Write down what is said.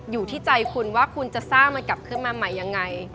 อยู่ที่ใจคุณว่าคุณจะสร้างมันกลับขึ้นมาใหม่ยังไง